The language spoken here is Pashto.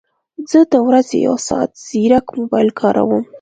زه د ورځې یو ساعت ځیرک موبایل کاروم